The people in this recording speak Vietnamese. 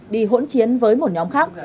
đi hỗn chiến với một nhóm khác